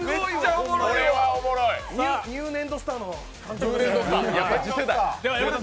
ニュー粘土スターの誕生です。